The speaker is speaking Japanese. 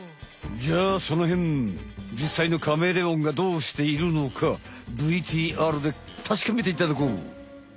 じゃあそのへんじっさいのカメレオンがどうしているのかＶＴＲでたしかめていただこう！